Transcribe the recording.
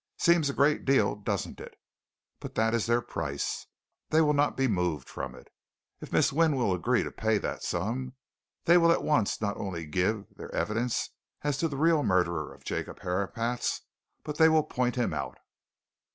"Seems a great deal, doesn't it? But that is their price. They will not be moved from it. If Miss Wynne will agree to pay that sum, they will at once not only give their evidence as to the real murderer of Jacob Herapath, but they will point him out."